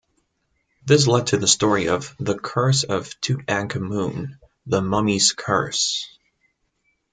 This led to the story of the "Curse of Tutankhamun", the "Mummy's Curse".